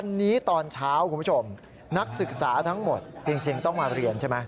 วันนี้ตอนเช้าคุณผู้ชมนักศึกษาทั้งหมดจริงต้องมาเรียนใช่ไหม